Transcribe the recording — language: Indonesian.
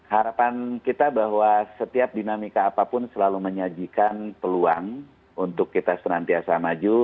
harapan kita bahwa setiap dinamika apapun selalu menyajikan peluang untuk kita senantiasa maju